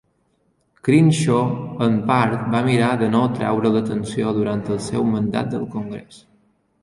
Crenshaw en part va mirar de no atraure l'atenció durant el seu mandat del congrés.